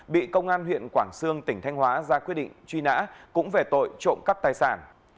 bị công an huyện quảng sương tỉnh thanh hóa ra quyết định truy nã cũng về tội trộm cắp tài sản